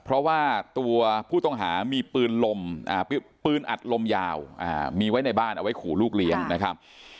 เพราะว่าตัวผู้ต้องหามีปืนลมปืนอัดลมยาวมีไว้ในบ้านเอาไว้ขู่ลูกเลี้ยงนะครับ